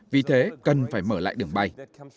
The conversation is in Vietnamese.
vì thế cần phải mở lại đường bay